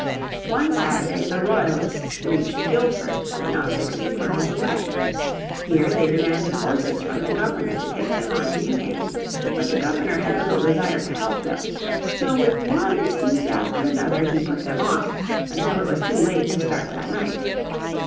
One Saturday the Royalists reached Guilford, not sixteen miles away. Here they demanded horses from the Governor to take them on to New Haven. But the Governor had little desire to help them. So with one excuse after another he put them off until it was too late to start that night.